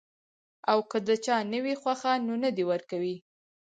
او کۀ د چا نۀ وي خوښه نو نۀ دې ورکوي -